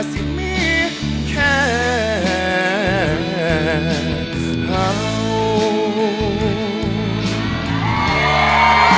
สิบสี่ห้างหรือเศร้าสี่ห้างสี่จับมือกันอย่างว่าสันวา